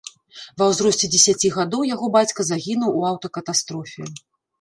Ва ўзросце дзесяці гадоў яго бацька загінуў у аўтакатастрофе.